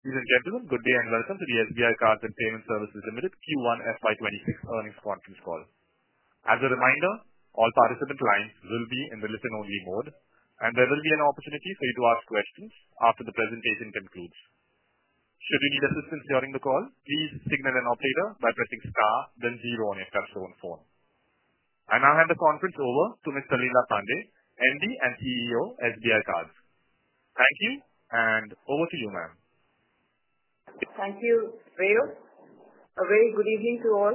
Ladies and gentlemen, good day and welcome to the SBI Cards and Payment Services Limited Q1 FY twenty six Earnings Conference Call. As a reminder, all participant lines will be in the listen only mode, and there will be an opportunity for you to ask questions after the presentation concludes. I now hand the conference over to Mr. Lila Pandey, MD and CEO, SBI Cards. Thank you and over to you ma'am. Thank you, A very good evening to all.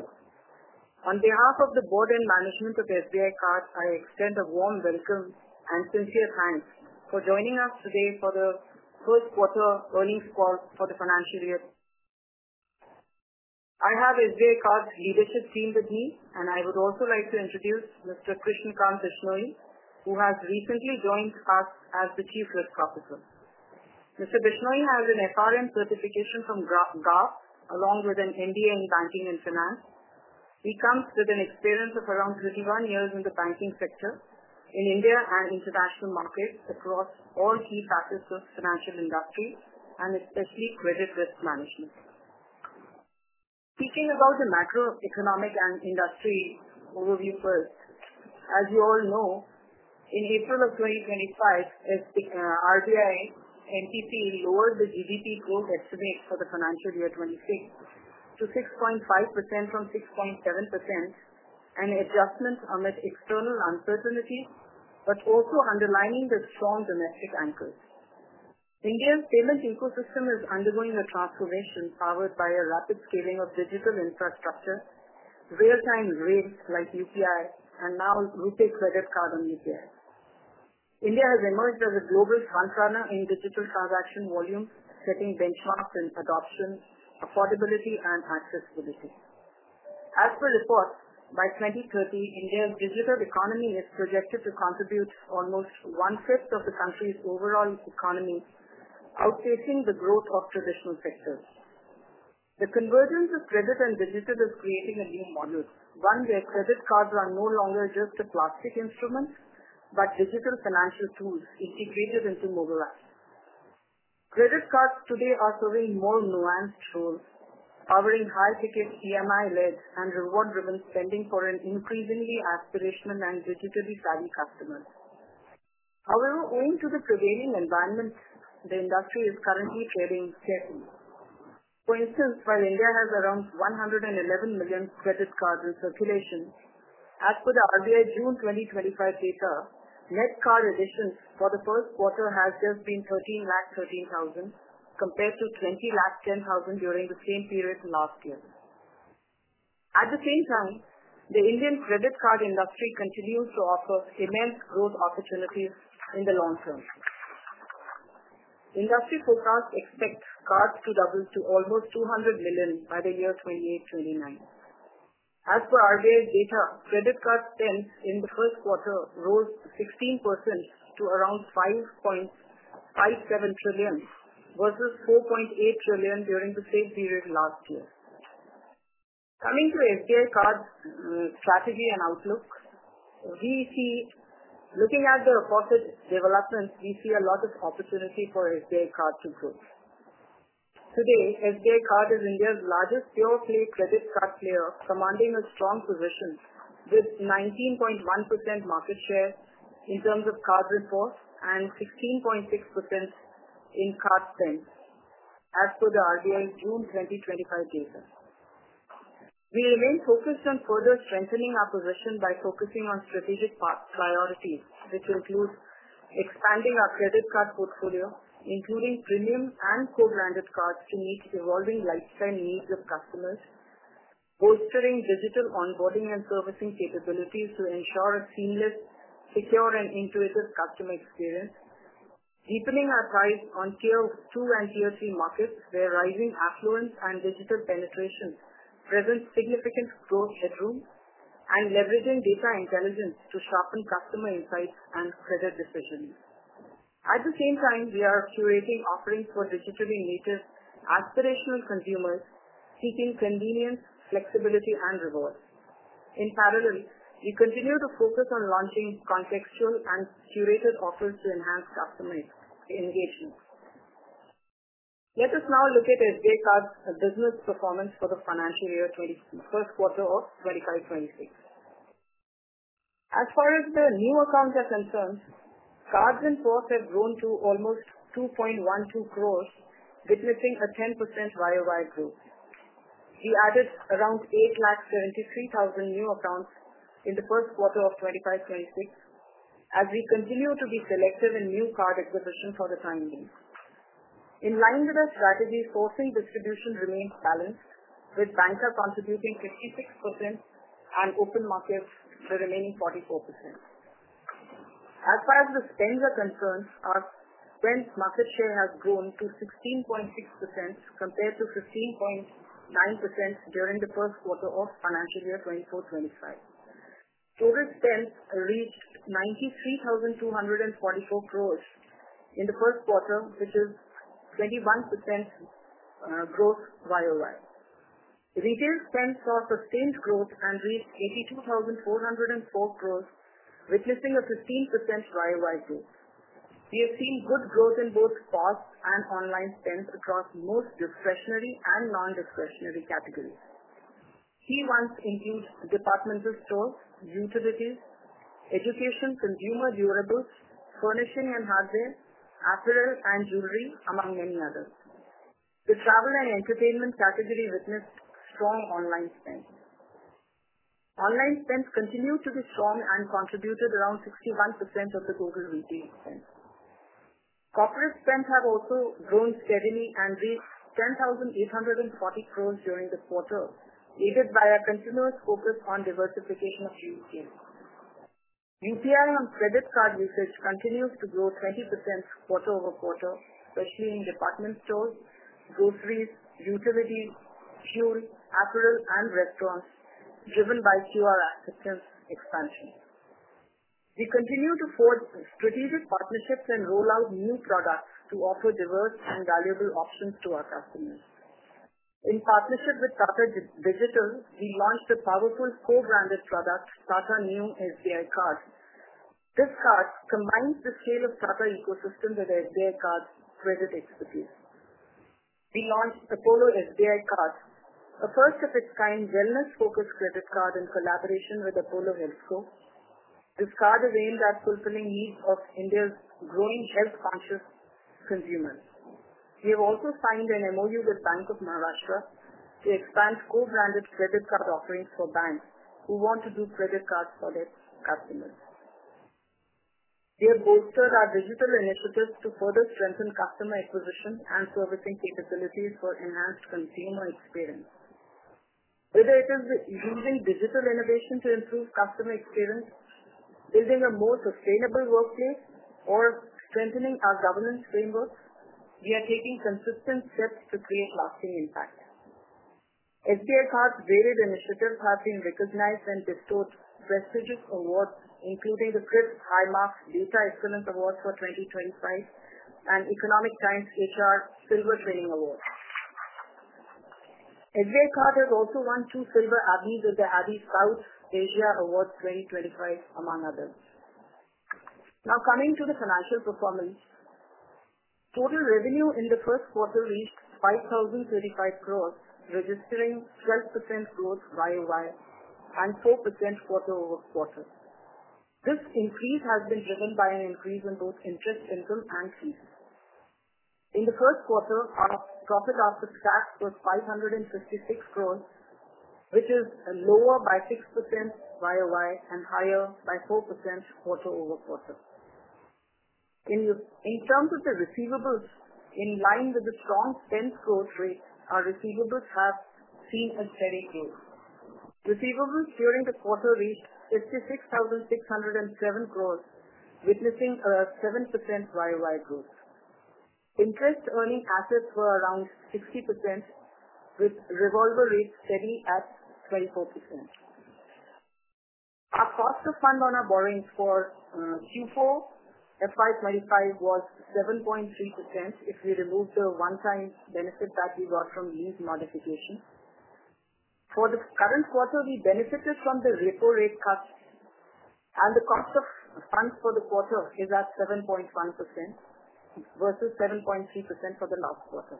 On behalf of the board and management of SBI Card, I extend a warm welcome and sincere thanks for joining us today for the first quarter earnings call for the financial year. I have SJ Card leadership team with me, and I would also like to introduce mister Krishnikanth Deshnoy, who has recently joined us as the chief risk officer. Mister Deshnoy has an FRN certification from GAP along with an MBA in banking and finance. He comes with an experience of around thirty one years in the banking sector in India and international markets across all key factors of financial industry and especially credit risk management. Speaking about the macroeconomic and industry overview first, as you all know, in April, RTI, NTP lowered the GDP growth estimate for the financial year '26 to 6.5% from 6.7 and adjustments on external uncertainty, but also underlining the strong domestic anchors. India's payment ecosystem is undergoing powered by a rapid scaling of digital infrastructure, real time rates like UPI and now RUPIC credit card on UPI. India has emerged as a global front runner in digital transaction volume, setting benchmarks and adoption, affordability and accessibility. As per report, by 02/1930, India's digital economy is projected to contribute almost one fifth of the country's overall economy, outpacing the growth of traditional sectors. The convergence of credit and digital is creating a new model, one where credit cards are no longer just a plastic instrument, but digital financial tools integrated into mobile app. Credit cards today are serving more nuanced tools, powering high ticket EMI led and reward driven spending for an increasingly aspirational and digitally savvy customers. However, owing to the prevailing environment, the industry is currently trading. For instance, while India has around 111,000,000 credit cards in circulation, as per the earlier June 2025 data, net card additions for the first quarter has just been 13 lakh 13,000 compared to 20 lakh 10,000 during the same period last year. At the same time, the Indian credit card industry continues to offer immense growth opportunities in the long term. Industry forecast expects cards to double to almost 200,000,000 by the year 2829. As per our data, credit card spend in the first quarter rose 16% to around 5,570,000,000,000.00 versus 4,800,000,000,000.0 during the same period last year. Coming to SDI card strategy and outlook, we see, looking at the reported developments, we see a lot of opportunity for SBI card to grow. Today, SBI card is India's largest pure play credit card player, commanding a strong position with 19.1% market share in terms of card reports and 16.6% in card spend as per the RBI June 2025 data. We remain focused on further strengthening our position by focusing on strategic priorities, which includes expanding our credit card portfolio, including premium and co branded cards to meet evolving lifetime needs of customers, bolstering digital onboarding and servicing capabilities to ensure a seamless, secure and intuitive customer experience, deepening our price on tier two and tier three markets where rising affluence and digital penetration presents significant growth headroom and leveraging data intelligence to sharpen customer insights and credit decisions. At the same time, we are curating offerings for digitally native, aspirational consumers seeking convenience, flexibility and rewards. In parallel, we continue to focus on launching contextual and curated offers to enhance customer engagement. Let us now look at SJ Card's business performance for the financial year twenty first quarter of twenty five twenty six. As far as the new accounts are concerned, cards and post have grown to almost 2.12 crores, witnessing a 10% Y o Y growth. We added around 873,000 new accounts in the first quarter of twenty five-twenty six, as we continue to be selective in new card acquisition for the time being. In line with our strategy, sourcing distribution remains balanced with Banker contributing 56% and open markets the remaining 44%. As far as the spends are concerned, our spends market share has grown to 16.6% compared to 15.9% during the first quarter of financial year twenty four-twenty five. Total spends reached 93,244 crores in the first quarter, which is 21% growth Y o Y. Retail spend saw sustained growth and reached 82,404 crores, witnessing a 15% Y o Y growth. We have seen good growth in both cost and online spends across most discretionary and nondiscretionary categories. Key ones include department store, utilities, education, consumer durables, furnishing and hardware, apparel and jewelry among many others. The travel and entertainment category witnessed strong online spend. Online spend continued to be strong and contributed around 61% of the total retail spend. Corporate spend have also grown steadily and reached 10,840 crores during the quarter, aided by our continuous focus on diversification of UPC. UPI on credit card usage continues to grow 20% quarter over quarter, especially in department stores, groceries, utilities, fuel, apparel and restaurants, driven by QR acceptance expansion. We continue to forge strategic partnerships and rollout new products to offer diverse and valuable options to our customers. In partnership with Tata Digital, we launched a powerful co branded product, Tata new SDI card. This card combines the scale of Tata ecosystem with SDI card credit expertise. We launched Apollo SDI card, a first of its kind wellness focused credit card in collaboration with the Polo Health Co. This card avails us fulfilling needs of India's growing health conscious consumers. We have also signed an MOU with Bank of Maharashtra to expand co branded credit card offerings for banks, who want to do credit cards for their customers. We have bolstered our digital initiatives to further strengthen customer acquisition and servicing capabilities for enhanced consumer experience. Whether it is using digital innovation to improve customer experience, building a more sustainable workplace or strengthening our governance framework, we are taking consistent steps to create lasting impact. SBI Card's various initiatives have been recognized and bestowed prestigious awards, including the Prix Highmark Data Excellence Award for 2025 and Economic Times HR Silver Training Award. SJ Card has also won two Silver Abhi with the Abhi South Asia Awards twenty twenty five among others. Now coming to the financial performance. Total revenue in the first quarter reached 5,035 crores, registering 12% growth Y o Y and 4% quarter over quarter. This increase has been driven by an increase in both interest income and fees. In the first quarter, our profit after tax was $5.56 crores, which is lower by 6% Y o Y and higher by 4% quarter over quarter. In terms of the receivables, in line with the strong spend growth rate, our receivables have seen a steady growth. Receivables during the quarter reached 56,607 crores, witnessing a 7% Y o Y growth. Interest earning assets were around 60% with revolver rate steady at 24%. Our cost of fund on our borrowings for q four FY twenty five was 7.3%, if we remove the one time benefit that we got from these modifications. For the current quarter, we benefited from the repo rate cuts and the cost of funds for the quarter is at 7.1% versus 7.3% for the last quarter.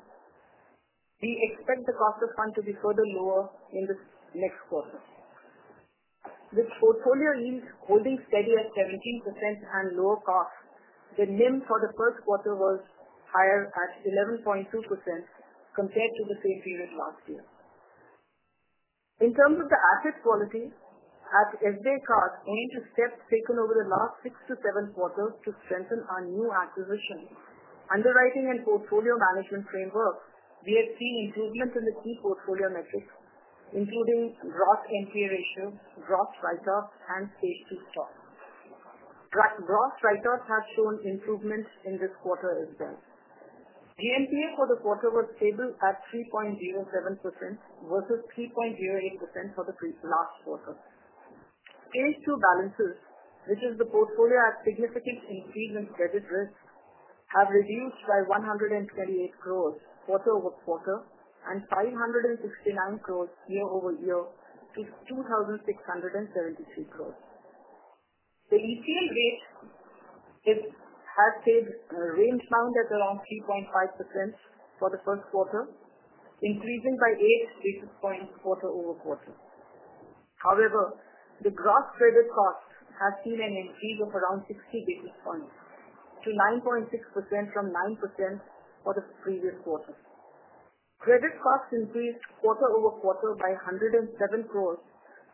We expect the cost of funds to be further lower in the next quarter. With portfolio yield holding steady at 17% and lower cost, the NIM for the first quarter was higher at 11.2% compared to the same period last year. In terms of the asset quality, at S. Descartes, only to steps taken over the last six to seven quarters to strengthen our new acquisition, underwriting and portfolio management framework, we have seen improvements in the key portfolio metrics, including gross NPA ratio, gross write off and Stage two stock. Gross write offs have shown improvement in this quarter as well. GNPA for the quarter was stable at 3.07% versus 3.08% for the last quarter. Page two balances, which is the portfolio at significant increase in credit risk, have reduced by 138 crores quarter over quarter and 569 crores year over year to 2,673 crores. The ECL rate is, has paid a range bound at around 3.5% for the first quarter, increasing by eight basis points quarter over quarter. However, the gross credit cost has seen an increase of around 60 basis points to 9.6% from 9% for the previous quarter. Credit cost increased quarter over quarter by 107 crores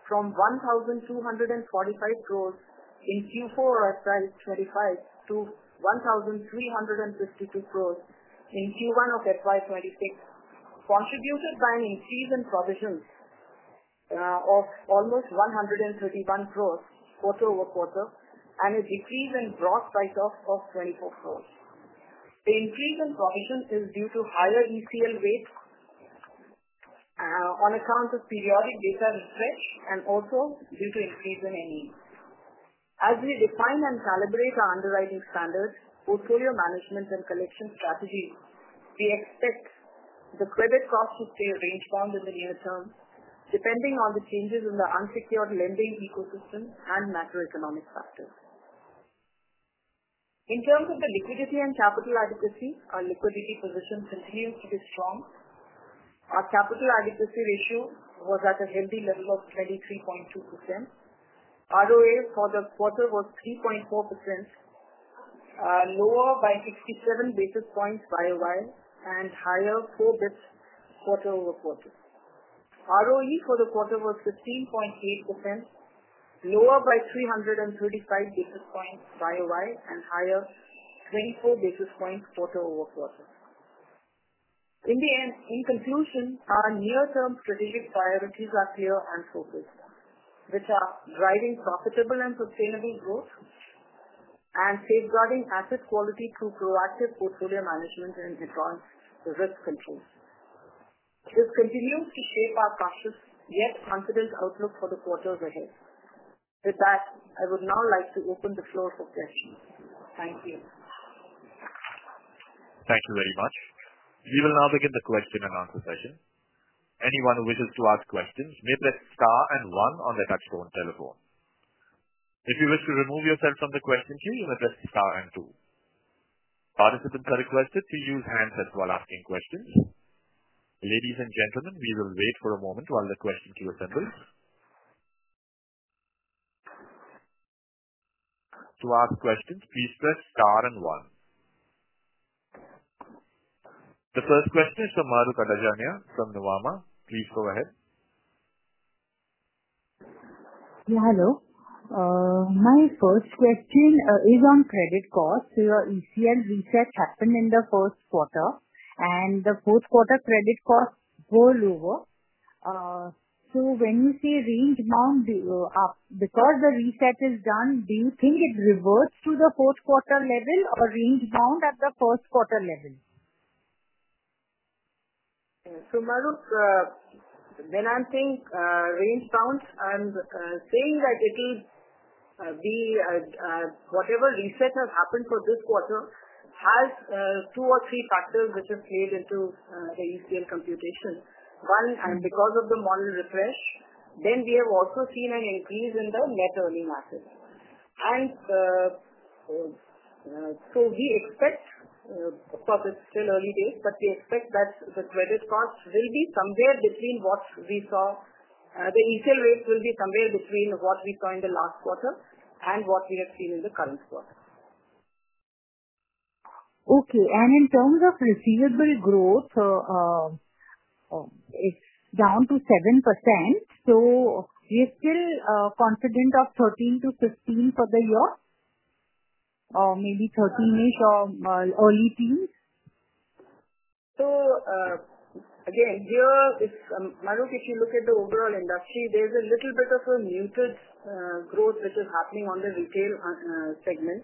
from 1,245 crores in Q4 FY twenty five to $13.52 crores in Q1 of FY twenty six, contributed by an increase in provisions of almost 131 crores quarter over quarter and a decrease in gross write off of 24 crores. The increase in provisions is due to higher ECL rates on account of periodic data refresh and also due to increase in NE. As we define and calibrate our underwriting standards, portfolio management and collection strategy, we expect the credit cost to stay range bound in the near term, depending on the changes in the unsecured lending ecosystem and macroeconomic factors. In terms of the liquidity and capital adequacy, our liquidity position continues to be strong. Our capital adequacy ratio was at a healthy level of 33.2%. ROA for the quarter was 3.4%, lower by 67 basis points Y o Y and higher four bps quarter over quarter. ROE for the quarter was 15.8%, lower by 335 basis points Y o Y and higher 24 basis points quarter over quarter. In the end, in conclusion, our near term strategic priorities are clear and focused, which are driving profitable and sustainable growth and safeguarding asset quality through proactive portfolio management and advanced risk control. This continues to shape our cautious yet confident outlook for the quarters ahead. With that, I would now like to open the floor for questions. Thank you. Thank you very much. We will now begin the question and answer session. Anyone who wishes to ask questions may press and 1 on the touch tone telephone. If you wish to remove yourself from the question queue, you may press and 2. Participants are requested to use handset while asking questions. Ladies and gentlemen, we will wait for a moment while the question queue is assembled. To ask questions, please press and 1. The first question is from from. Please go ahead. Yeah hello. My first question is on credit cost. So your ECL reset happened in the first quarter and the fourth quarter credit cost go lower. So when you say range bound up, because the reset is done, do you think it reverts to the fourth quarter level or range bound at the first quarter level? So, when I am saying range bound, I am saying that it will be whatever reset has happened for this quarter has two or three factors, which has played into the ECL computation. One, because of the model refresh, then we have also seen an increase in the net earning assets. And so we expect, of course, it's still early days, but we expect that the credit cost will be somewhere between what we saw. The retail rate will be somewhere between what we saw in the last quarter and what we have seen in the current quarter. Okay. And in terms of receivable growth, it's down to 7%. So we are still confident of 13 to 15 for the year or maybe 13 ish or early teens. So, again, here it's, if look at the overall industry, there's a little bit of a muted growth, which is happening on the retail segment.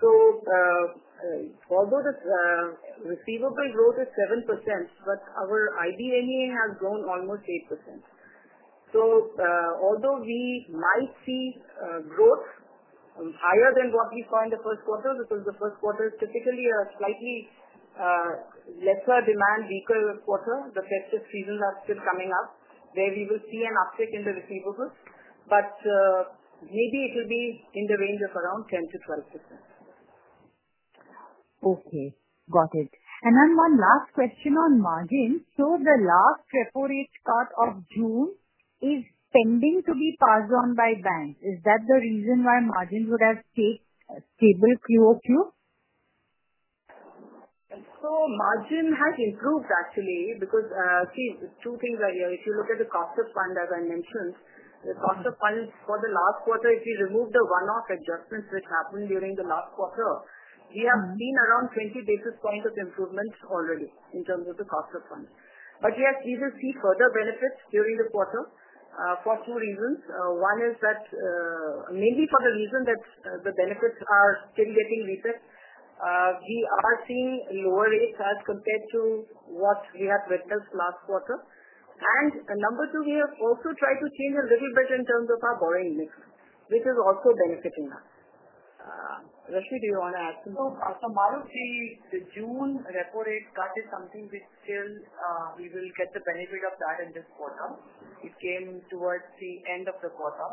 So although the receivable growth is 7%, but our IBNA has grown almost 8%. So although we might see growth higher than what we saw in the first quarter, because the first quarter is typically a slightly lesser demand weaker quarter, the festive seasons are still coming up, where we will see an uptick in the receivables, but maybe it will be in the range of around 10 to 12%. Okay, got it. And then one last question on margin, so the last report June is pending to be passed on by bank. Is that the reason why margin would have stayed stable q o q? So margin has improved actually, because see, two things are here. If you look at the cost of fund, as I mentioned, the cost of funds for the last quarter, if you remove the one off adjustments that happened during the last quarter, we have seen around 20 basis points of improvements already in terms of the cost of funds. But yes, you will see further benefits during the quarter for two reasons. One is that, mainly for the reason that the benefits are still getting reset. We are seeing lower rates as compared to what we have witnessed last quarter. And number two, we have also tried to change a little bit in terms of our borrowing mix, which is also benefiting us. Rashid, do you want to add to that? So, tomorrow, June repo rate cut is something which still we will get the benefit of that in this quarter. It came towards the end of the quarter.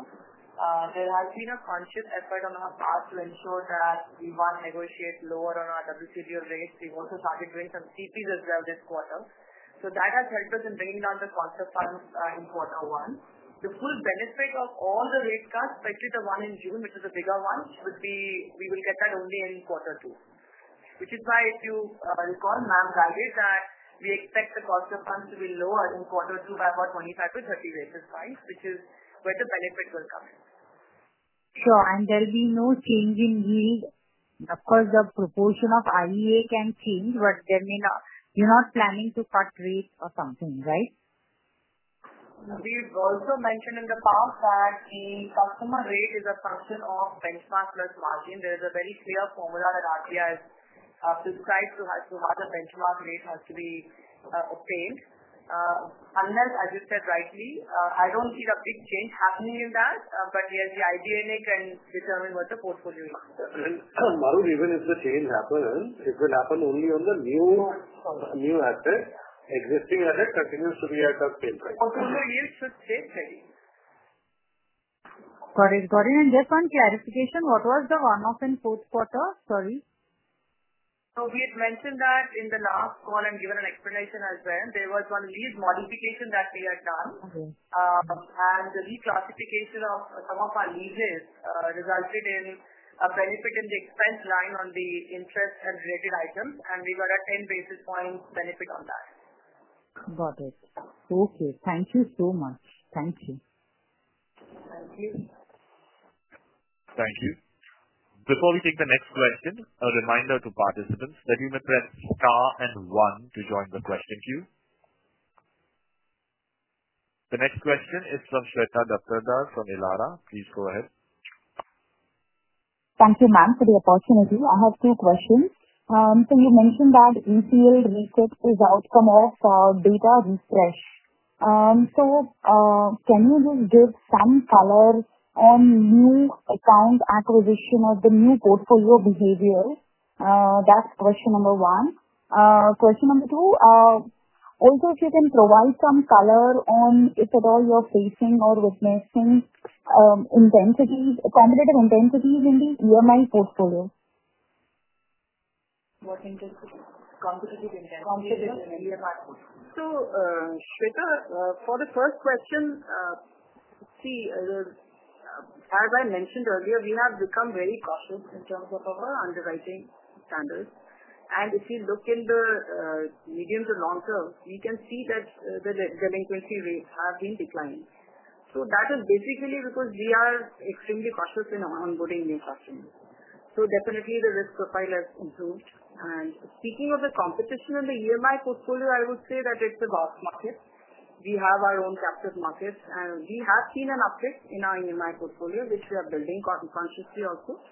There has been a conscious effort on our past to ensure that we want to negotiate lower on our WCDO rates. We also started doing some CPs as well this quarter. So that has helped us in bringing down the cost of funds in quarter one. The full benefit of all the rate cuts, especially the one in June, which is a bigger one, would be, we will get that only in quarter two, which is why if you recall, ma'am validate that we expect the cost of funds to be lower in quarter two by about 25 to 30 basis points, which is where the benefit will come. Sure and there will be no change in the, of course the proportion of IEA can change, but there may not, you're not planning to cut rate or something, right? We've also mentioned in the past that the customer rate is a function of benchmark plus margin. There is a very clear formula that RTI has prescribed to how to how the benchmark rate has to be obtained. Unless, as you said rightly, I don't see the big change happening in that, but yes, the idea and they can determine what the portfolio is. Maru, even if the change happens, it will happen only on the new asset, existing asset continues to be at the same price. Okay. So, the yield should stay steady. Got it got it. And just one clarification, what was the one off in fourth quarter, sorry? So, we had mentioned that in the last call and given explanation as well. There was one lead modification that we had done. Okay. And the reclassification of some of our leases resulted in a benefit in the expense line on the interest and related items and we got a 10 basis points benefit on that. Got it. Okay. Thank you so much. Thank you. Thank you. You. Before we take the next question, a reminder to participants that you may press and one to join the question queue. The next question is from Shweta Daprada from Elara. Please go ahead. Thank you, ma'am, for the opportunity. I have two questions. So you mentioned that ECA reset is outcome of data refresh. So can you just give some color on new account acquisition of the new portfolio behavior? That's question number one. Question number two, also, if you can provide some color on if at all you're facing or witnessing intensity competitive intensity in the EMI portfolio. What intensity? So, for the first question, see, as I mentioned earlier, we have become very cautious in terms of our underwriting standards. And if you look in the medium to long term, you can see that the delinquency rates have been declining. So that is basically because we are extremely cautious in onboarding new customers. So definitely, the risk profile has improved. And speaking of the competition in the EMI portfolio, I would say that it's a golf market. We have our own captive markets and we have seen an uptick in our EMI portfolio, which we are building cautiously also.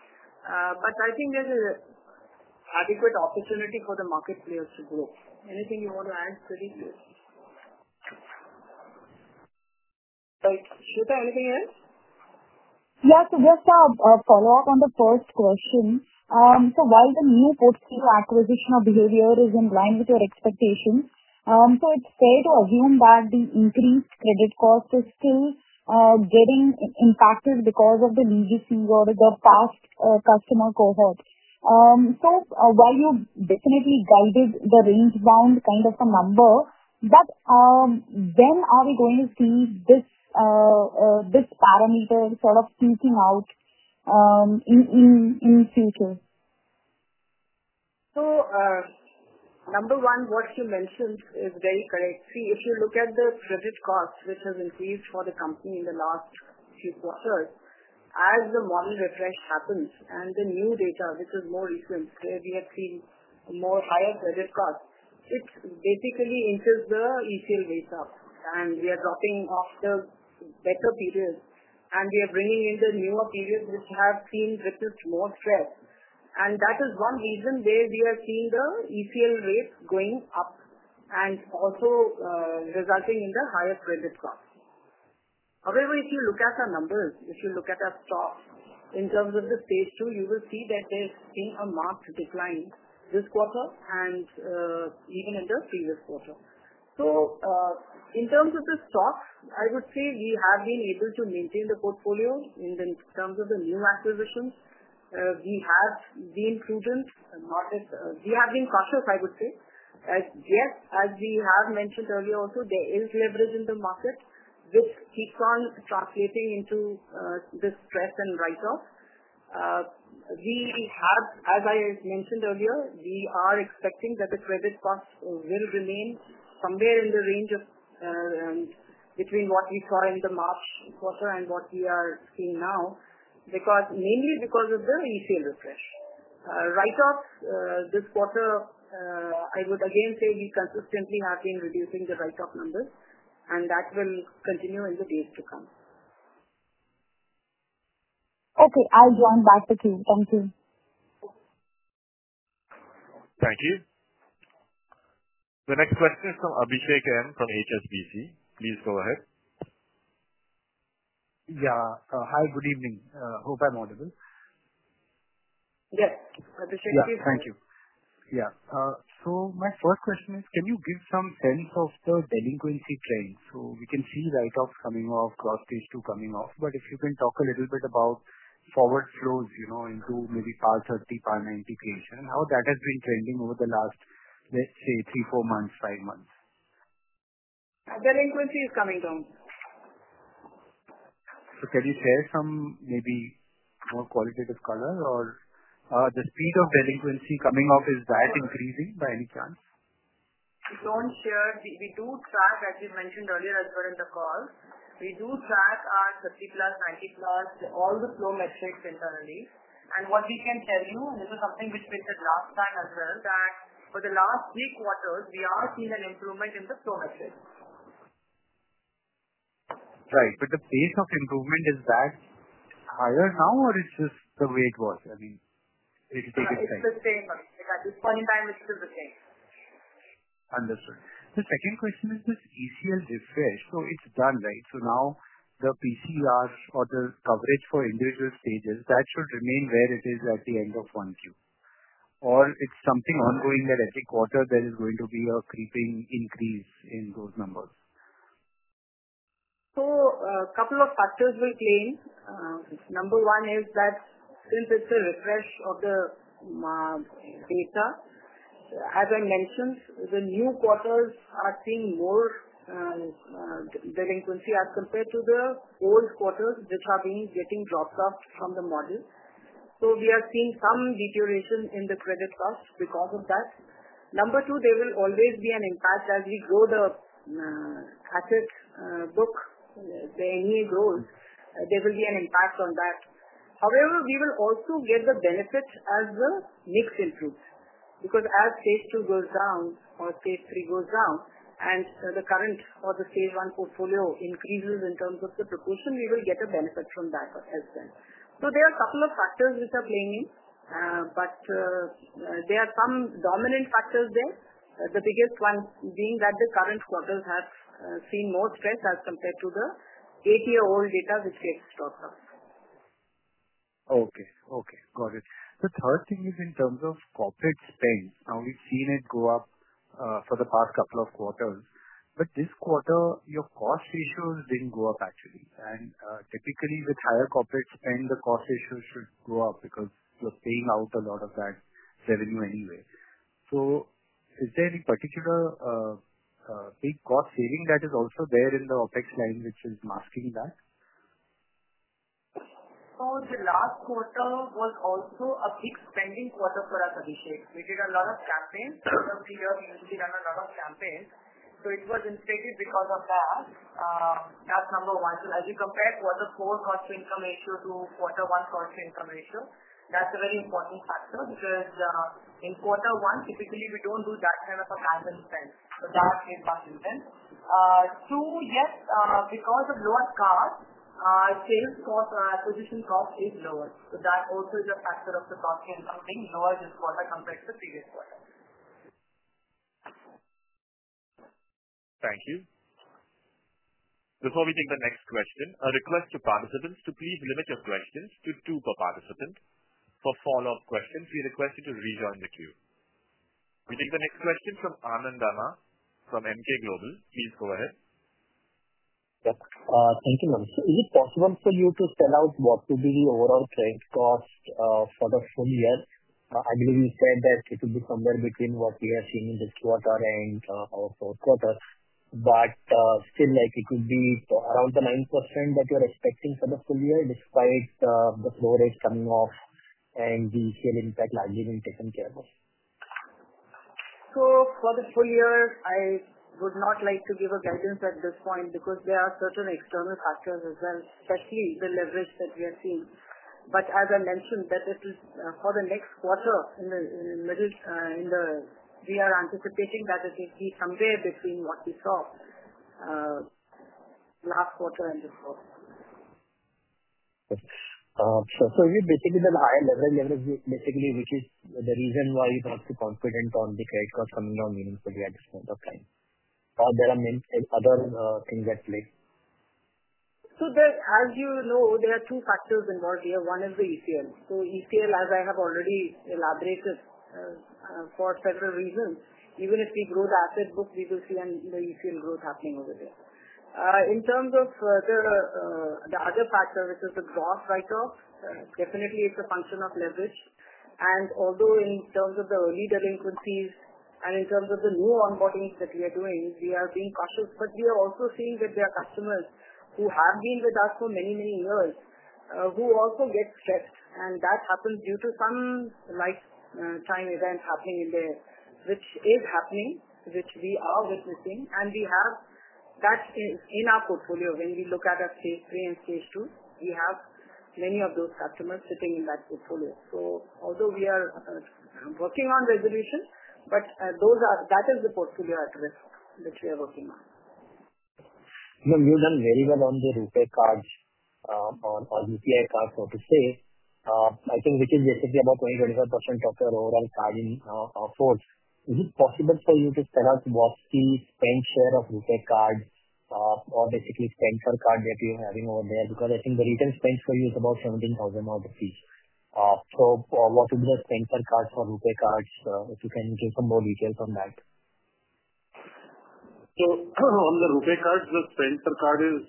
But I think there's a adequate opportunity for the market players to grow. Anything you want to add, Pradeep? Shita, anything else? Yeah. So just a a follow-up on the first question. So while the new portfolio acquisition of behavior is in line with your expectations, so it's fair to assume that the increased credit cost is still getting impacted because of the legacy or the past customer cohort. So while you definitely guided the range bound kind of a number, but then are we going to see this this parameter sort of speaking out in in in future? So number one, what you mentioned is very correct. See, if you look at the credit cost, which has increased for the company in the last few quarters, as the model refresh happens and the new data, which is more recent, where we have seen more higher credit cost, it basically enters the retail data and we are dropping off the better period and we are bringing in the newer periods, which have seen little more stress and that is one reason where we are seeing the ECL rates going up and also resulting in the higher credit cost. However, if you look at our numbers, if you look at our stocks, in terms of the stage two, you will see that there is a marked decline this quarter and even in the previous quarter. So, in terms of the stocks, I would say we have been able to maintain the portfolio in terms of the new acquisitions. We have been prudent and not yet we have been cautious, I would say. As yet, as we have mentioned earlier also, there is leverage in the market. This keeps on translating into the stress and write off. We have, as I mentioned earlier, we are expecting that the credit cost will remain somewhere in the range of between what we saw in the March and what we are seeing now because mainly because of the resale refresh. Write off this quarter, I would again say we consistently have been reducing the write off numbers, and that will continue in the days to come. Okay. I'll join back the queue. Thank you. Thank you. The next question is from Abhishek M from HSBC. Please go ahead. Yeah. Hi. Good evening. Hope I'm audible. Yes. Abhishek, please go Yeah. So my first question is, can you give some sense of the delinquency trends? So we can see write off coming off, cross page two coming off. But if you can talk a little bit about forward flows, you know, into maybe part 30, part 90 creation, how that has been trending over the last, let's say, three, four months, five months? Delinquency is coming down. So can you share some maybe more qualitative color or the speed of delinquency coming off is that increasing by any chance? We don't share, we we do track as we mentioned earlier as well in the call. We do track our 50 plus, 90 plus, all the flow metrics internally. And what we can tell you, this is something which we said last time as well that for the last three quarters, we are seeing an improvement in the flow metrics. Right. But the pace of improvement, is that higher now or it's just the way it was? I mean, it's taking time. The same for me. Like, at this point in time, it's still the same. Understood. The second question is this ECL refresh. So it's done. Right? So now the PCRs or the coverage for individual stages, that should remain where it is at the end of January. Or it's something ongoing that every quarter, there is going to be a creeping increase in those numbers. So a couple of factors will claim. Number one is that since it's a refresh of the data, as I mentioned, the new quarters are seeing more delinquency as compared to the old quarters, which are being getting dropped off from the model. So we are seeing some deterioration in the credit cost because of that. Number two, there will always be an impact as we grow the asset book, the any growth, there will be an impact on that. However, we will also get the benefit as the mix improves because as stage two goes down or stage three goes down and the current or the stage one portfolio increases in terms of the proportion, we will get a benefit from that as well. So there are couple of factors which are playing in, but there are some dominant factors there. The biggest one being that the current quarter has seen more stress as compared to the eight year old data which gets dropped off. Okay okay, got it. The third thing is in terms of corporate spend. Now we've seen it go up for the past couple of quarters, but this quarter your cost ratios didn't go up actually And typically, with higher corporate spend, the cost issues should go up because you're paying out a lot of that revenue anyway. So is there any particular big cost saving that is also there in the OpEx line, which is masking that? So the last quarter was also a big spending quarter for us, Abhishek. We did a lot of campaigns. So we have been doing a lot of campaigns. So it was inflated because of that, that's number one. So as you compare quarter four cost to income ratio to quarter one cost to income ratio, that's a very important factor because in quarter one, typically, don't do that kind of a management spend. So that is. Two, yes, because of lower cost, sales cost or acquisition cost is lower. So that also is a factor of the cost gain something lower than quarter compared to previous quarter. Thank you. Before we take the next question, a request to participants to please limit your questions to two per participant. For follow-up questions, we request you to rejoin the queue. We take the next question from from MK Global. Please go ahead. Yes. Thank you, ma'am. So is it possible for you to sell out what would be the overall trade cost for the full year? I believe you said that it will be somewhere between what we are seeing in this quarter and our fourth quarter. But still, like, it could be around the 9% that you are expecting for the full year despite the flow rate coming off and the sale impact largely being taken care of? So for the full year, I would not like to give a guidance at this point because there are certain external factors as well, especially the leverage that we are seeing. But as I mentioned, that it is for the next quarter in the in the middle in the we are anticipating that it will be somewhere between what we saw last quarter and this quarter. So so you basically then high level level basically which is the reason why you are not too confident on the credit cost coming on meaningfully at this point of time. Are there other things that play? So that as you know, there are two factors involved here, one is the ECL. So ECL as I have already elaborated for several reasons, even if we grow the asset book, we will see an ECL growth happening over there. In terms of further the other factor, which is the gross write off, definitely, it's a function of leverage. And although in terms of the early delinquencies and in terms of the new onboarding that we are doing, we are being cautious. But we are also seeing that there are customers who have been with us for many, many years, who also get stressed and that happens due to some, like, time events happening in there, which is happening, which we are witnessing and we have that in our portfolio when we look at our stage three and stage two, we have many of those customers sitting in that portfolio. So although we are working on resolution, but those are, that is the portfolio at that we are working on. Ma'am, you done very well on the rupee cards or or UPI cards, so to say. I think, which is basically about 25% of your overall card Is it possible for you to tell us what's the spend share of Upek card or basically, spend for card that you're having on there? Because I think the retail spend for you is about 17,000 rupees. So what would be the spend for cards or Upek cards? If you can give some more details on that? So on the cards, the card is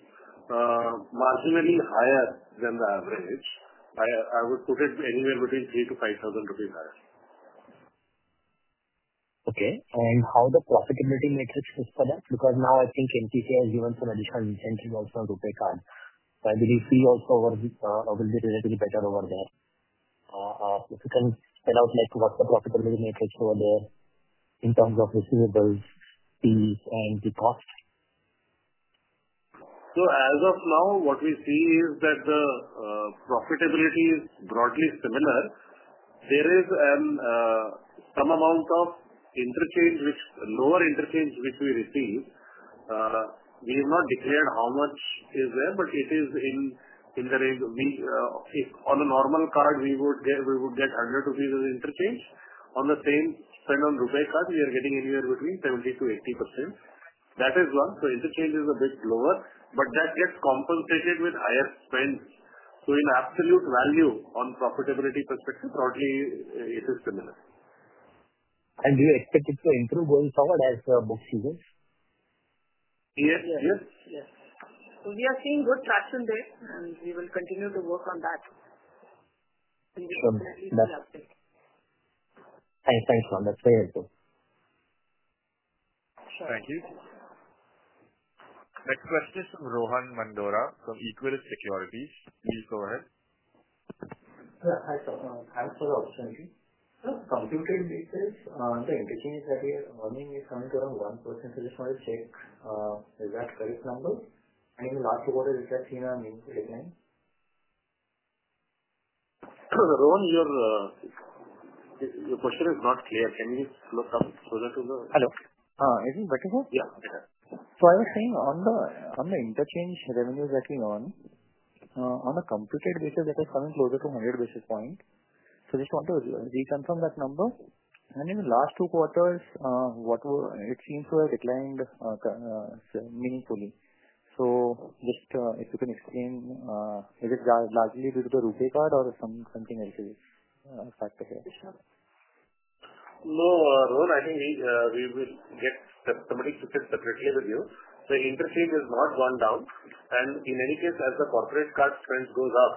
marginally higher than the average. I I would put it anywhere between 3 to 5,000 rupees higher. Okay. And how the profitability metrics is for that? Because now I think NTT has given some additional incentive also to take on. I believe we also will be relatively better over there. If you can spell out, like, what the profitability metrics over there in terms of receivables, fees and the cost? So as of now, what we see is that the profitability is broadly similar. There is some amount of interchange, which lower interchange, which we receive. We have not declared how much is there, but it is in the range of on a normal card, we would get under two fees as interchange. On the same spend on Roubaix card, we are getting anywhere between 70% to 80%. That is one. So interchange is a bit lower, but that gets compensated with higher spend. So in absolute value on profitability perspective, broadly, it is similar. And do you expect it to improve going forward as the book see this? Yes. Yes. Yes. So we are seeing good traction there, and we will continue to work on that. We can definitely update. Thanks. Thanks, ma'am. That's very helpful. Sure. Thank you. Next question is from Rohan Mandora from Equal Securities. Please go ahead. Sir, hi sir. Thanks for the opportunity. Sir, on the same only page, is coming to around 1%. I just wanna check Is that correct number? And last quarter, is that Tina mean to your name? Rohan, your question is not clear. Can you look up further to the Hello? Is it better, sir? Yeah. Yeah. So I was saying on the on the interchange revenue that we own, on a computed basis, it is coming closer to 100 basis point. So just want to reconfirm that number. And in the last two quarters, what were it seems to have declined meaningfully. So just if you can explain, is it largely due to the rupee card or some something else is factored in? No, Rohit. I think we we will get somebody to fit separately with you. The interchange is not going down. And in any case, as the corporate card trend goes up,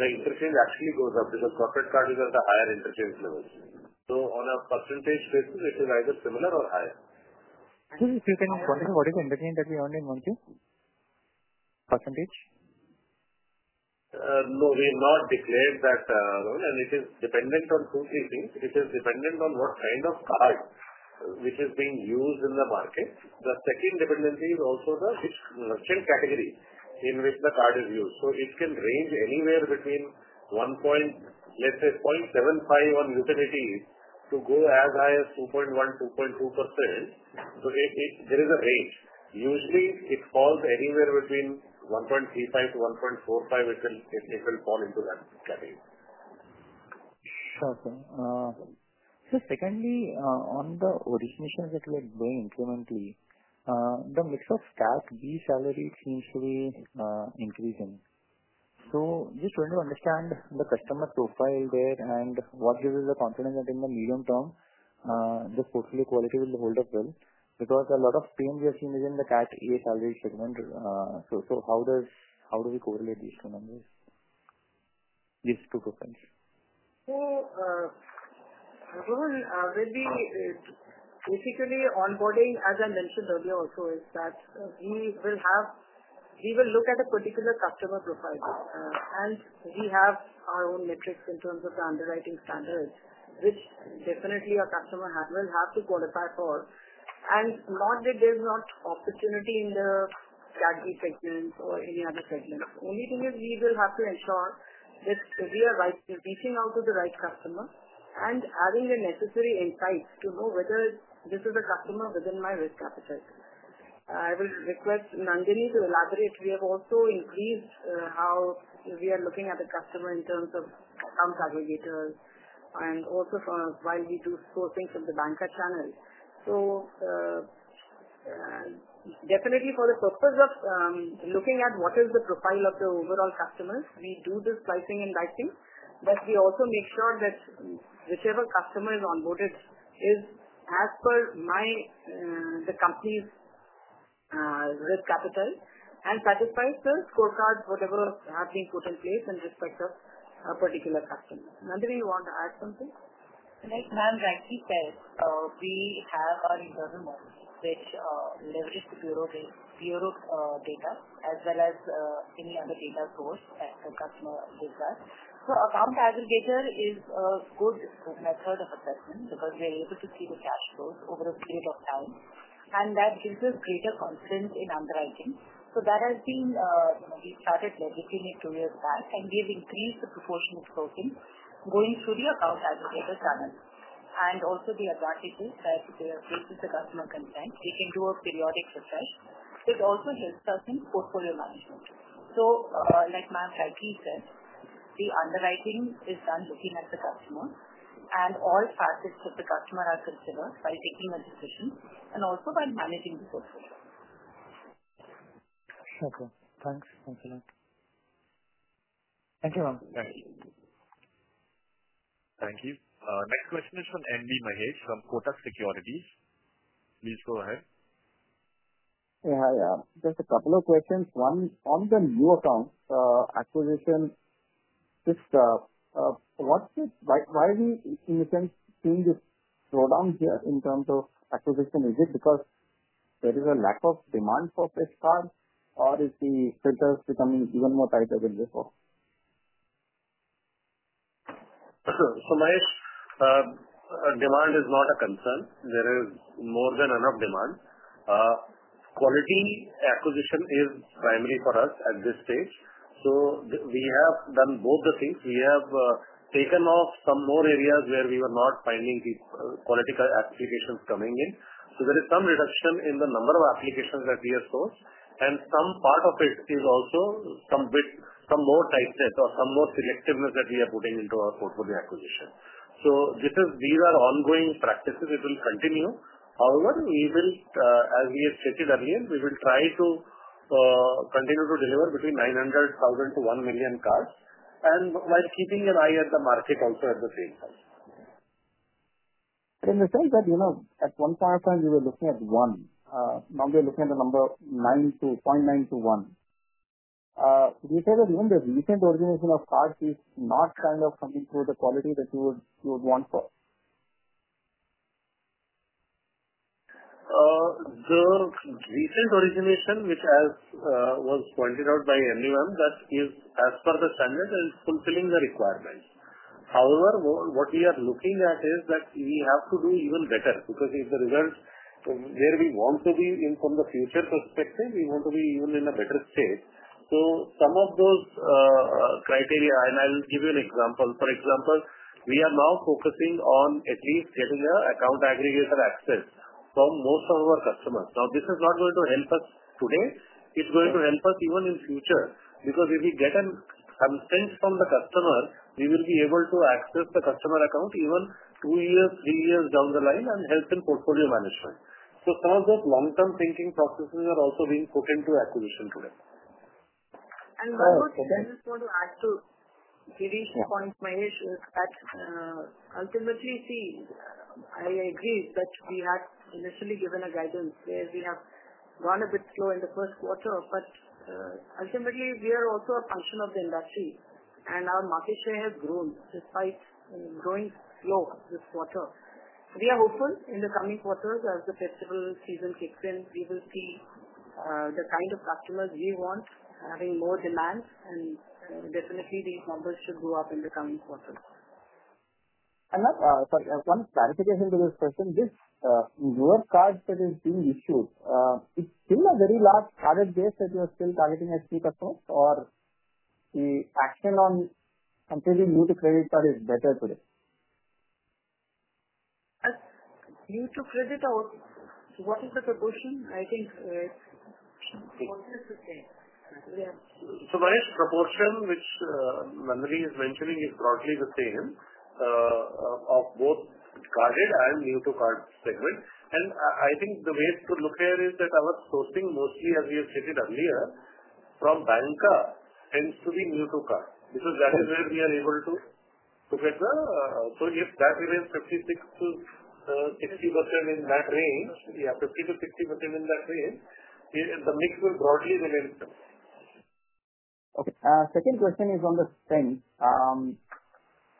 the interchange actually goes up because corporate card is at the higher interchange levels. So on a percentage basis, it is either similar or higher. Sir, if you cannot quantify what is the that we earn in one q percentage? No. We have not declared that loan, and it is dependent on two, things. It is dependent on what kind of card which is being used in the market. The second dependency is also the fixed merchant category in which the card is used. So it can range anywhere between one point, let's say, point seven five on utilities to go as high as 2.1, 2.2%. So it it there is a rate. Usually, it falls anywhere between 1.35 to 1.45, it will it will fall into that category. Sure, sir. Sir, secondly, on the origination that we're doing incrementally, the mix of CAC, the salary seems to be increasing. So just trying to understand the customer profile there and what gives you the confidence that in the medium term, the portfolio quality will hold up well. Because a lot of changes in the CAT e salary segment. So so how does how do we correlate these two numbers? These two questions. So, Arun, we'll be basically, onboarding, as I mentioned earlier also is that we will have we will look at a particular customer profile, and we have our own metrics in terms of the underwriting standards, which definitely our customer will have to qualify for and not that there is not opportunity in the category segment or any other segment. Thing is we will have to ensure that we are right, reaching out to the right customer and adding the necessary insights to know whether this is a customer within my risk appetite. I will request Nandini to elaborate. We have also increased how we are looking at the customer in terms of account aggregators and also from while we do sourcing from the banker channel. So definitely for the purpose of looking at what is the profile of the overall customers, we do the pricing and pricing, but we also make sure that whichever customer is onboarded is as per my the company's risk appetite and satisfies the scorecard whatever have been put in place in respect of a particular customer. Mandiri, you want to add something? Right, ma'am, like he said, we have our internal model, which leverage the bureau bureau data as well as any other data source that the customer gives us. So account aggregator is a good method of assessment, because we are able to see the cash flows over a period of time and that gives us greater confidence in underwriting. So that has been, you know, we started budgeting it two years back and we have increased the proportion of bookings going through the account aggregator channel. And also the advantage is that, they have reached the customer consent, they can do a periodic refresh. It also helps us in portfolio management. So, like ma'am rightly said, the underwriting is done looking at the customer and all facets of the customer are considered by taking a decision and also by managing the portfolio. Sure sir, thanks. Thank you ma'am. Thank you. You. Next question is from from Kotak Securities. Please go ahead. Yeah. Hi. Just a couple of questions. One, on the new account acquisition, this what's the why why do you think this slowdown here in terms of acquisition? Is it because there is a lack of demand for fixed card or is the filters becoming even more tighter than before? So, Mahesh, demand is not a concern. There is more than enough demand. Quality acquisition is primary for us at this stage. So we have done both the things. We have taken off some more areas where we were not finding the quality applications coming in. So there is some reduction in the number of applications that we have sourced and some part of it is also some bit some more tight set or some more selectiveness that we are putting into our portfolio acquisition. So this is these are ongoing practices, it will continue. However, we will as we have stated earlier, we will try to continue to deliver between 900,000 to 1,000,000 cards and while keeping an eye at the market also at the same time. In the sense that, you know, at one point of time, we were looking at one. Now we're looking at the number 92.921. We said that even the recent origination of card is not kind of coming through the quality that you would you would want for. The recent origination, which has was pointed out by MUM, that is as per the standard and fulfilling the requirements. However, what we are looking at is that we have to do even better because if the results from where we want to be in from the future perspective, we want to be even in a better state. So some of those criteria and I'll give you an example. For example, we are now focusing on at least getting a account aggregator access from most of our customers. Now this is not going to help us today, it's going to help us even in future because if we get an consent from the customer, we will be able to access the customer account even two years, three years down the line and help in portfolio management. So some of those long term thinking processes are also being put into acquisition today. One more thing, I just want to add to Girish's point, Mahesh, is that ultimately, see, I agree that we had initially given a guidance where we have run a bit slow in the first quarter. But ultimately, we are also a function of the industry, and our market share has grown despite growing low this quarter. We are hopeful in the coming quarters as the festival season kicks in, we will see the kind of customers we want having more demands and definitely these numbers should go up in the coming quarters. And ma'am, sorry, one clarification to this question, this your card that is being issued, it's still a very large target date that you are still targeting at or the action on completely new to credit card is better today? Due to credit out, so what is the proportion? I think, what is the same? So Mahesh, proportion which Mandiri is mentioning is broadly the same of both carded and new to card segment. And I think the way to look here is that our sourcing mostly, as we have said earlier, from Banker tends to be new to car because that is where we are able to to get the so if that remains 56 to 60% in that range, we have 50 to 60% in that range, the mix will broadly remain. Okay. Second question is on the same.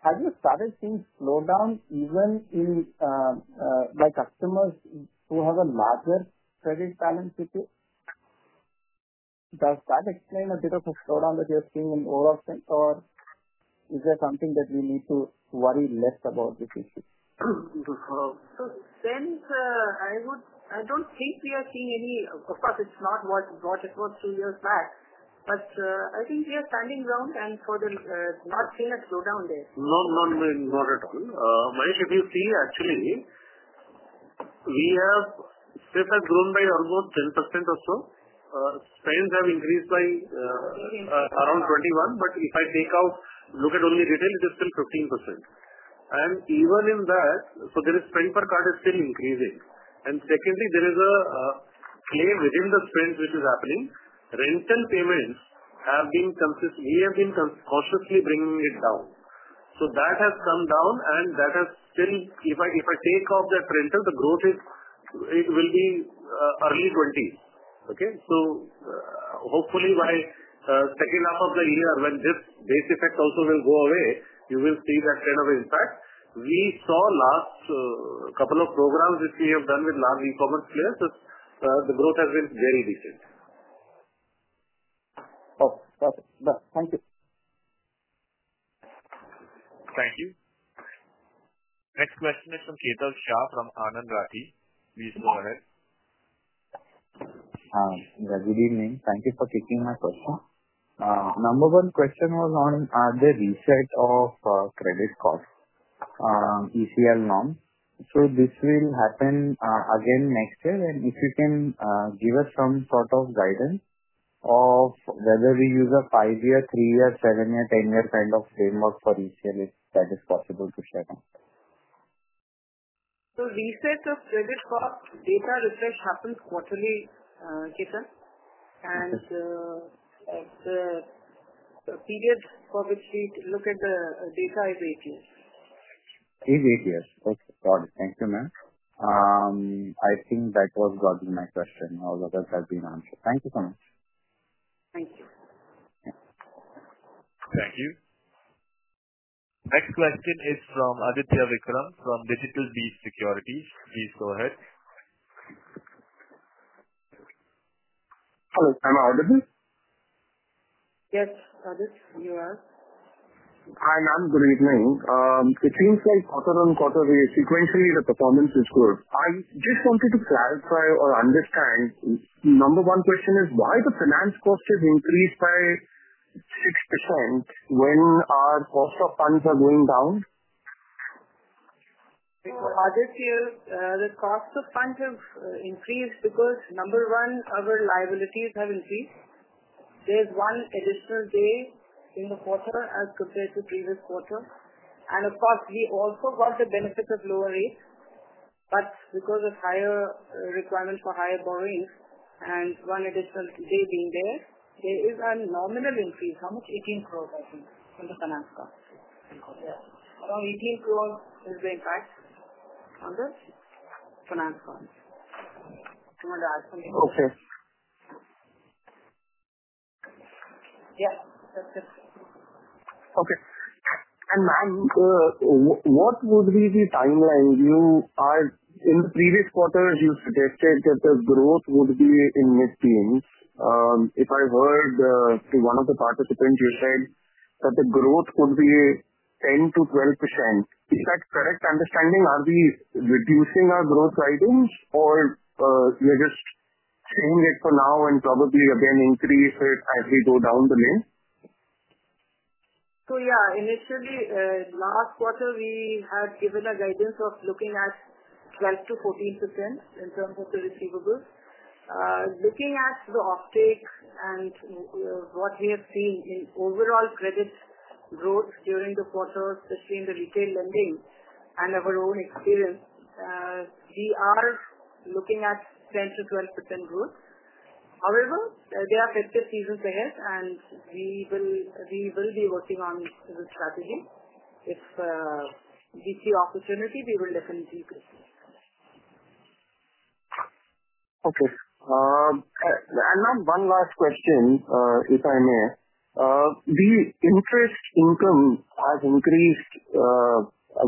Have you started seeing slowdown even in, like, customers who have a larger credit balance with you? Does that explain a bit of a slowdown that you are seeing in all of them or is there something that we need to worry less about this issue? So, since I would, I don't think we are seeing any, of course, it's not what what it was two years back. But I think we are standing around and for the not seen a slowdown there. No no, not at all. Mahesh, if you see, actually, we have sales has grown by almost 10% or so. Spend have increased by around 21%, but if I take out, look at only retail, it is still 15%. And even in that, so there is spend per card is still increasing. And secondly, there is a play within the spends, which is happening. Rental payments have been consistently have been cautiously bringing it down. So that has come down and that has still, if take off that rental, the growth is, it will be early 20s. Okay? So hopefully, second half of the year, when this base effect also will go away, you will see that kind of impact. We saw last couple of programs that we have done with large ecommerce players, the growth has been very decent. Okay, perfect. Thank you. Thank you. Next question is from from. Please go ahead. Good evening. Thank you for taking my question. Number one question was on the reset of credit cost, ECL norm. So this will happen again next year and if you can give us some sort of guidance of whether we use a five year, three year, seven year, ten year kind of framework for ECL if that is possible to share. So, reset of credit cost, data refresh happens quarterly, and the period for which we look at the data is eight years. Eight years, okay got it. Thank you, ma'am. I think that was got my question. All of that has been answered. Thank you so much. Thank you. Thank you. Next question is from from DigitalBeat Securities. Please go ahead. Hello, am I audible? Yes, you are. Hi, ma'am. Good evening. It seems like quarter on quarter, sequentially, the performance is good. I just wanted to clarify or understand. Number one question is, why the finance cost has increased by 6% when our cost of funds are going down? Because this year, the cost of funds have increased because number one, our liabilities have increased. There is one additional day in the quarter as compared to previous quarter and of course, we also got the benefit of lower rate, but because of higher requirement for higher borrowings and one additional day being there, there is a nominal increase. How much? 18 crores, I think, from the finance cost. Around 18 crores is the impact on this finance cost. Do want to add something? Okay. Yes, that's it. Okay. And ma'am, what would be the timeline you are in previous quarters, you suggested that the growth would be in mid teens. If I heard to one of the participants, you said that the growth would be 10 to 12%. Is that correct understanding? Are we reducing our growth items or you're just saying it for now and probably again increase it as we go down the lane? So, initially, last quarter, we had given a guidance of looking at 12 to 14% in terms of the receivables. Looking at the offtake and what we have seen in overall credit growth during the quarter, especially in the retail lending and our own experience, we are looking at 10 to 12% growth. However, they are fifty seasons ahead and we will we will be working on the strategy. If we see opportunity, we will definitely do. Okay. And now one last question, if I may. The interest income has increased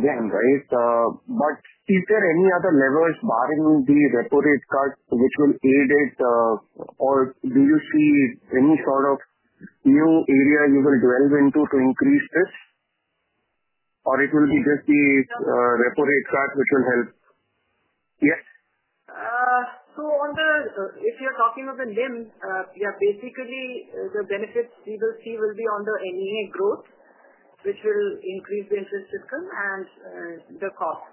again, right? But is there any other levers barring the repo rate card, which will aid it or do you see any sort of new area you will dwell into to increase this? Or it will be just the repo rate card, which will help? Yes? So on the if you're talking of the NIM, yeah, basically, the benefits we will see will be on the MEA growth, which will increase the interest system and the cost,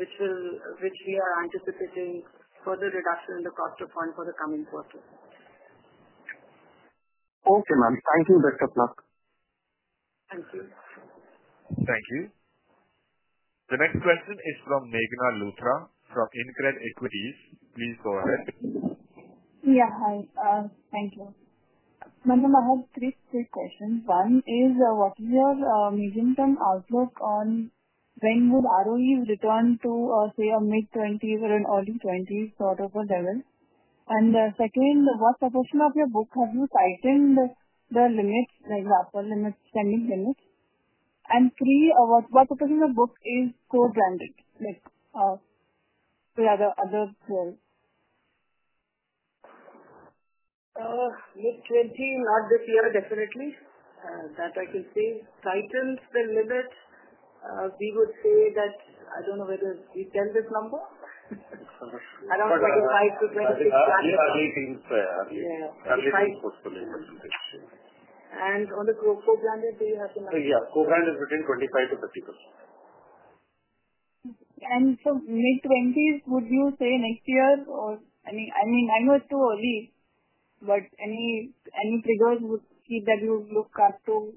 which will, which we are anticipating further reduction in the cost of fund for the coming quarter. Okay, ma'am. Thank you, best of luck. Thank you. Thank you. The next question is from from Incred Equities. Please go ahead. Yeah, hi. Thank you. Ma'am, I have three quick questions. One is, what is your medium term outlook on when would ROE return to say a mid twenty or an early twenty sort of a level. And the second, what proportion of your book have you tightened the limit, like the upper limit spending limit. And three, what what is in the book is co branded, like, the other other 12? Mid 20, not this year definitely, And on the co co branded, do you have to manage? Yeah. Co branded between 25 to 30%. And so mid twenties, would you say next year? Or I mean I mean, I know it's too early, but any any figures would that you look up to?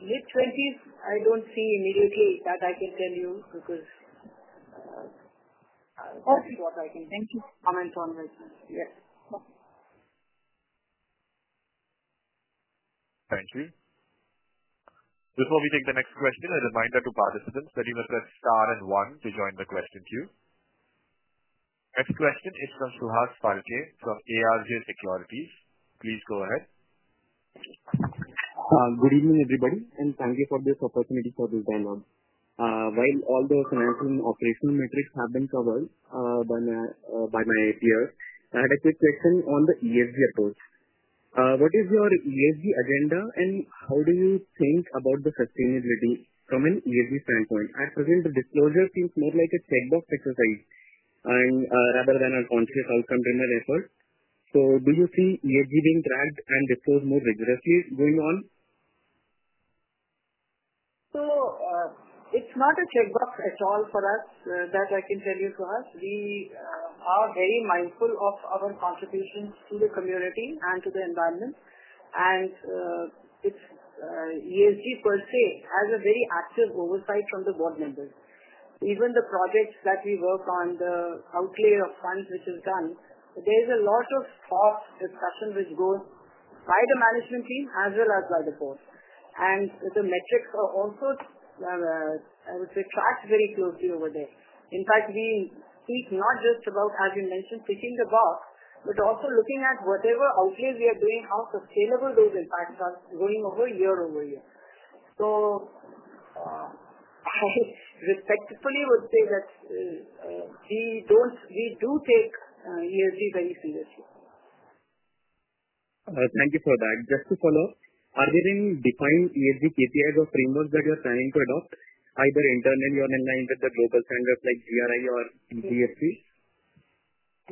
Mid twenties, I don't see immediately that I can tell you because see what I can Thank you. Comment on right now. Yes. Thank you. Before we take the next question, a reminder to participants that you must press star and one to join the question queue. Next question is from from ARJ Securities. Please go ahead. Good evening everybody and thank you for this opportunity for this time on. While all the financial and operational metrics have been covered by my by my peer. I had a quick question on the ESG approach. What is your ESG agenda and how do you think about the sustainability from an ESG standpoint? Actually, the disclosure seems more like a checkbox exercise and rather than a conscious outcome in the effort. So do you see being dragged and disclosed more vigorously going on? So it's not a checkbox at all for us that I can tell you to us. We are very mindful of our contributions to the community and to the environment. And it's ESG per se has a very active oversight from the board members. Even the projects that we work on, the outlay of funds which is done, there's a lot of cost discussion which goes by the management team as well as by the board. And the metrics are also, I would say, tracked very closely over there. In fact, we speak not just about, as you mentioned, picking the box, but also looking at whatever outlays we are doing, how sustainable those impacts are going over year over year. So I respectfully would say that we don't we do take ESG very seriously. Thank you for that. Just to follow-up, are there any defined ESG KPIs or framework that you're planning to adopt, either internally or in line with the global standards like GRI or in DSP?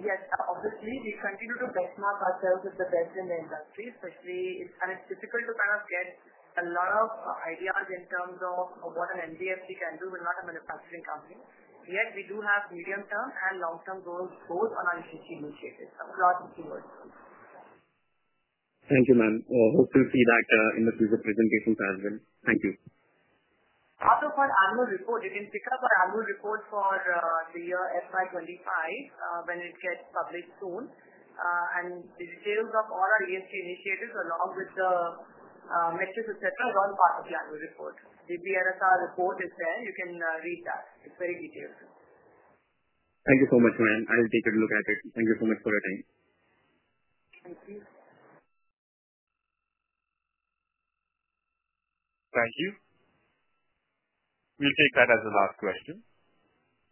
Yes. Obviously, we continue to benchmark ourselves as the best in the industry, especially and it's difficult to kind of get a lot of ideas in terms of what an MDFT can do. We're not a manufacturing company. Yet we do have medium term and long term goals both on our initiative. Thank you ma'am. Hope to see that in the future presentation as well. Thank you. As of our annual report, you can pick up our annual report for the year FY '25 when it gets published soon and the details of all our ESG initiatives along with the metrics etcetera is all part of the annual report. The BRSR report is there, you can read that. It's very detailed. Thank you so much, ma'am. I'll take a look at it. Thank you so much for your time. Thank you. Thank you. We'll take that as the last question.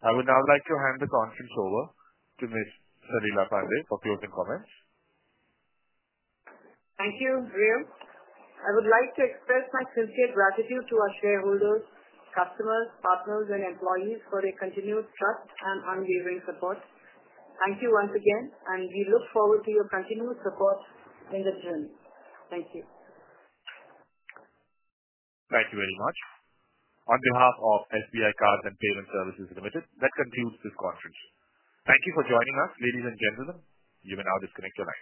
I would now like to hand the conference over to miss for closing comments. Thank you, I would like to express my sincere gratitude to our shareholders, customers, partners and employees for their continued trust and unwavering support. Thank you once again and we look forward to your continued support in the journey. Thank you. Thank you very much. On behalf of SBI Cards and Payment Services Limited, that concludes this conference. Thank you for joining us. Ladies and gentlemen, you may now disconnect your lines.